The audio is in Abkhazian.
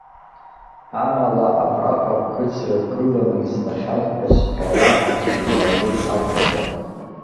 Амала, абраҟа бгыӡрак гыланы избахьан ҳәа зҳәауа аӡәгьы дҟамлеит акәымзар.